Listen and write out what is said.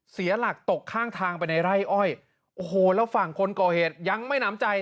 เสียหลักตกข้างทางไปในไร่อ้อยโอ้โหแล้วฝั่งคนก่อเหตุยังไม่น้ำใจ